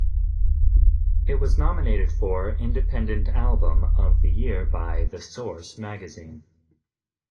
It was nominated for "Independent Album of the Year" by "The Source" magazine.